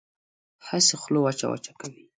هسې خوله وچه وچه کوي.